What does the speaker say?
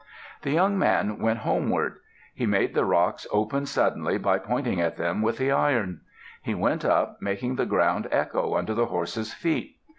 The young man went homeward. He made the rocks open suddenly by pointing at them with the iron. He went up, making the ground echo under the horse's feet.